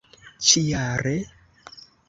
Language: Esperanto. ĉi jare